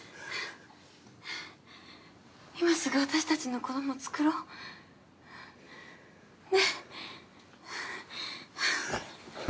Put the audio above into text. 今すぐ私たちの子ども作ろう。ね？